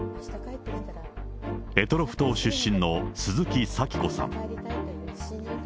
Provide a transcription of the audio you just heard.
択捉島出身の鈴木咲子さん。